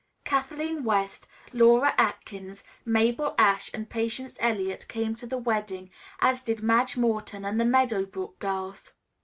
Kathleen West, Laura Atkins, Mabel Ashe and Patience Eliot came to the wedding, as did Madge Morton and the Meadow brook Girls.